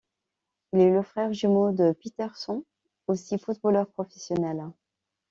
Il est le frère jumeau de Peter Sand, aussi footballeur professionnel.